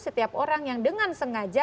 setiap orang yang dengan sengaja